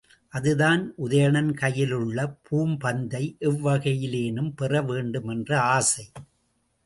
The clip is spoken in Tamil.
அதுதான் உதயணன் கையிலுள்ள பூம்பந்தை எவ்வகையிலேனும் பெற வேண்டும் என்ற ஆசை.